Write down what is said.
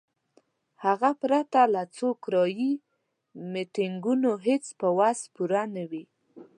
هغه پرته له څو کرایي میټینګونو هیڅ په وس پوره نه وي.